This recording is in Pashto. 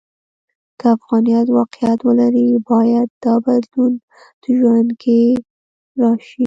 که افغانیت واقعیت ولري، باید دا بدلون د ژوند کې راشي.